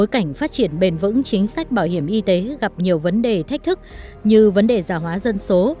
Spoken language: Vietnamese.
chính sách bảo hiểm y tế gặp nhiều vấn đề thách thức như vấn đề giả hóa dân số